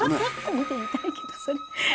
見てみたいけどそれ。